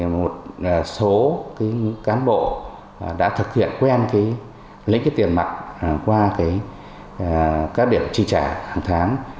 một số cán bộ đã thực hiện quen lấy tiền mặt qua các điểm chi trả hàng tháng